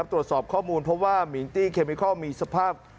ตรวจสอบข้อมูลเพราะว่ามิงตี้เคมิคอลมีสภาพ